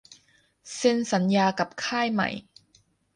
เซ็นสัญญากับค่ายใหม่